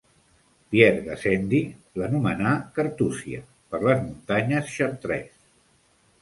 Pierre Gassendi l'anomenà Carthusia, per les muntanyes Chartreuse.